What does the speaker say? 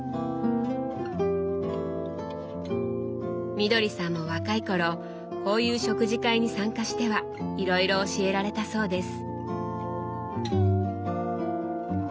みどりさんも若い頃こういう食事会に参加してはいろいろ教えられたそうです。